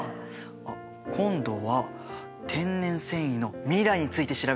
あっ今度は天然繊維の未来について調べてみよっかな。